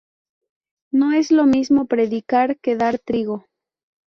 No es lo mismo predicar que dar trigo